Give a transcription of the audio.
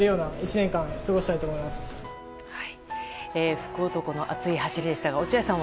福男の熱い走りでしたが落合さんは？